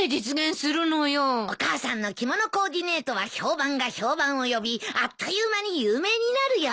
お母さんの着物コーディネートは評判が評判を呼びあっという間に有名になるよ。